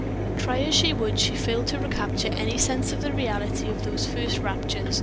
Try as she would, she failed to recapture any sense of the reality of those first raptures.